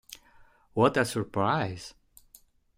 What a Surprise!